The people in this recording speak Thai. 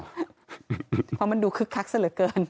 เพราะมันดูคึกคักซะเหลือเกิน